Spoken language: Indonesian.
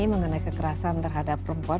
mengenai kekerasan terhadap perempuan